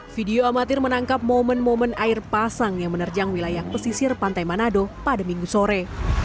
video amatir menangkap momen momen air pasang yang menerjang wilayah pesisir pantai manado pada minggu sore